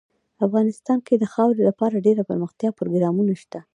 افغانستان کې د خاوره لپاره دپرمختیا پروګرامونه شته.